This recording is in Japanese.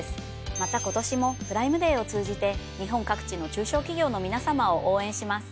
また今年もプライムデーを通じて日本各地の中小企業の皆様を応援します。